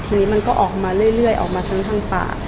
ทีนี้มันก็ออกมาเรื่อยออกมาทั้งทางปาก